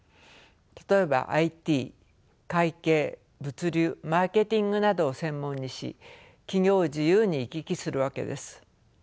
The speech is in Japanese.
例えばＩＴ会計物流マーケティングなどを専門にし企業を自由に行き来するわけです。